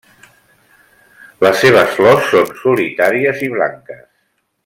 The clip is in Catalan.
Les seves flors són solitàries i blanques.